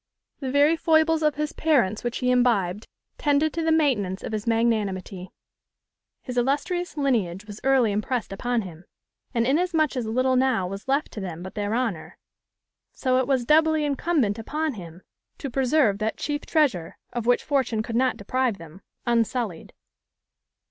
The very foibles of his parents which he imbibed tended to the maintenance of his magnanimity. His illustrious lineage was early impressed upon him, and inasmuch as little now was left to them but their honour, so it was doubly incumbent upon him to preserve that chief treasure, of which fortune could not deprive them, unsullied.